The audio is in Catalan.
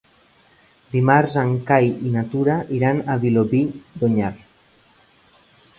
Dimarts en Cai i na Tura iran a Vilobí d'Onyar.